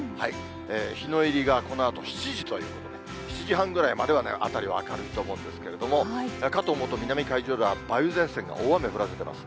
日の入りがこのあと７時ということで、７時半ぐらいまでは辺りは明るいと思うんですけれども、かと思うと南海上では、梅雨前線が大雨を降らせてます。